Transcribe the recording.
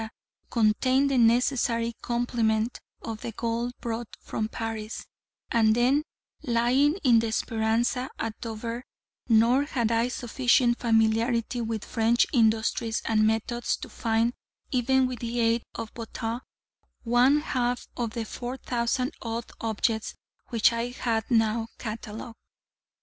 contained the necessary complement of the gold brought from Paris, and then lying in the Speranza at Dover; nor had I sufficient familiarity with French industries and methods to find, even with the aid of Bottins, one half of the 4,000 odd objects which I had now catalogued.